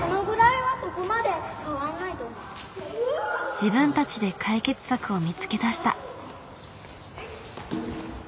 自分たちで解決策を見つけ出した。